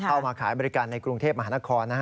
มาขายบริการในกรุงเทพมหานคร